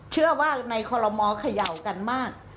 เชื่อว่าในคอลโลมอลเขย่ากันมาก